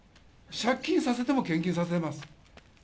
借金させても献金させます。